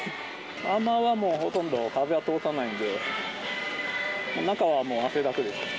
アーマーはもうほとんど風を通さないので、中はもう汗だくです。